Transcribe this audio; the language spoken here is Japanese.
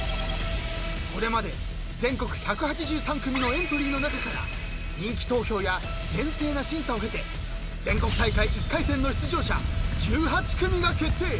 ［これまで全国１８３組のエントリーの中から人気投票や厳正な審査を経て全国大会１回戦の出場者１８組が決定］